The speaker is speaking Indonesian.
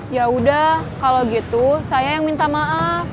yaudah kalau gitu saya yang minta maaf